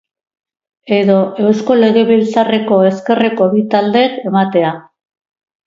Edo Eusko Legebiltzarreko ezkerreko bi taldeek ematea.